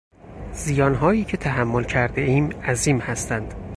زیانهایی که تحمل کردهایم عظیم هستند.